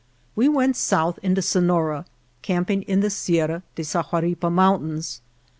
We went south into Sonora, camping in the Sierra de Sahuaripa Mountains.